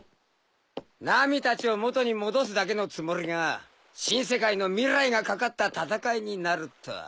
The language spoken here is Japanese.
ナミたちを元に戻すだけのつもりが新世界の未来が懸かった戦いになるとは。